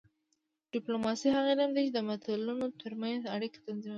ډیپلوماسي هغه علم دی چې د ملتونو ترمنځ اړیکې تنظیموي